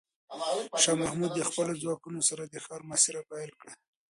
شاه محمود د خپلو ځواکونو سره د ښار محاصره پیل کړه.